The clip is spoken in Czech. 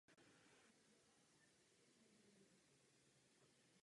Včetně místních částí zde žije obyvatel.